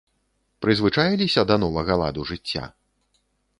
Прызвычаіліся да новага ладу жыцця?